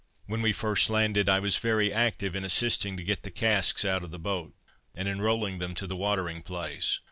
When we first landed, I was very active in assisting to get the casks out of the boat, and in rolling them to the watering place.